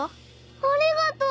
ありがとう！